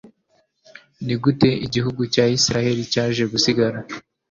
ni gute igihugu cya isirayeli cyaje gusigara